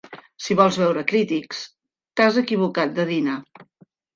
Si vols veure crítics, t'has equivocat de dinar.